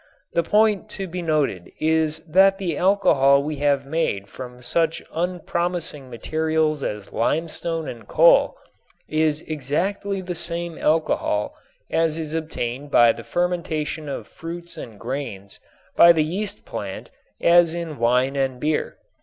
The point to be noted is that the alcohol we have made from such unpromising materials as limestone and coal is exactly the same alcohol as is obtained by the fermentation of fruits and grains by the yeast plant as in wine and beer.